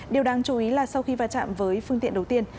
điều đáng chú ý là sau khi va chạm với phương tiện đầu tiên